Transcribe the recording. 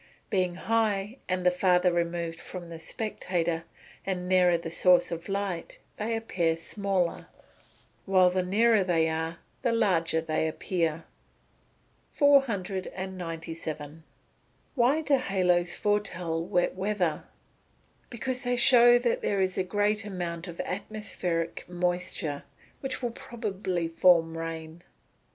Being high, and farther removed from the spectator, and nearer the source of light, they appear smaller; while the nearer they are, the larger they appear. 497. Why do haloes foretell wet weather? Because they show that there is a great amount of atmospheric moisture, which will probably form rain.